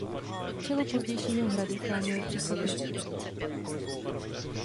Čelo pozdějšího hradu chránily příkopy.